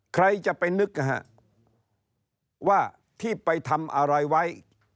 ใครจะไปนึกว่าที่ไปทำอะไรไว้